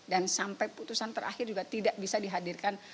dan sampai putusan terakhir juga tidak bisa dihadirkan